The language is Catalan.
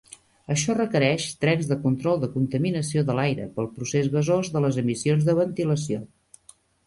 Això requereix trens de control de contaminació de l'aire pel procés gasós de les emissions de ventilació.